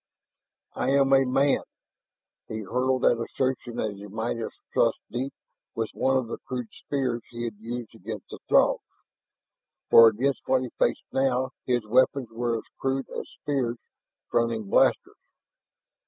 "I am a man!" he hurled that assertion as he might have thrust deep with one of the crude spears he had used against the Throgs. For against what he faced now his weapons were as crude as spears fronting blasters.